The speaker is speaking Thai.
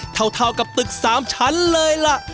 เท่ากับตึก๓ชั้นเลยล่ะ